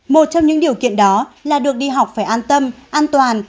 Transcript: một trong những điều kiện đó là được đi học phải an tâm an toàn